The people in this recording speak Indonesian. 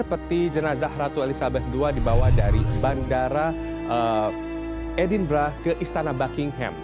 peti jenazah ratu elizabeth ii dibawa dari bandara edinburgh ke istana buckingham